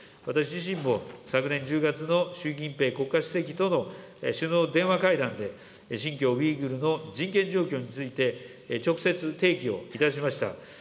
私自身も、昨年１０月の習近平国家主席との首脳電話会談で、新疆ウイグルの人権状況について、直接、提起をいたしました。